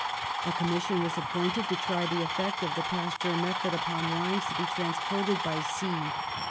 A commission was appointed to try the effect of the Pasteur method upon wines to be trans ported by sea.